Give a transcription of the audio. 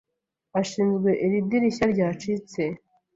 Ashinzwe iri dirishya ryacitse.